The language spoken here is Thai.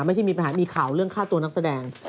ไม่ใช่มีปัญหามีข่าวเรื่องฆ่าตัวนักแสดง